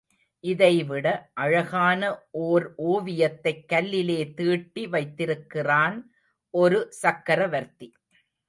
இதைவிட அழகான ஓர் ஓவியத்தைக் கல்லிலே தீட்டி வைத்திருக்கிறான் ஒரு சக்கரவர்த்தி.